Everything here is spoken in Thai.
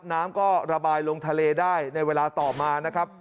น้ำก็ระบายลงทะเลได้ในเวลาต่อมานะครับ